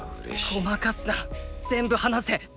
ごまかすな全部話せ！